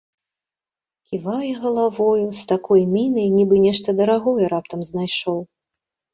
Ківае галавою з такой мінай, нібы нешта дарагое раптам знайшоў.